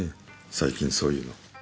最近そういうの。